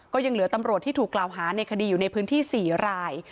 ก็ยังเหลือตำรวจที่ถูกกล่าวหาในคดีอยู่ในพื้นที่๔ราย